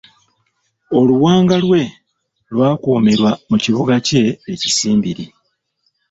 Oluwanga lwe lwakuumirwa mu kibuga kye e Kisimbiri.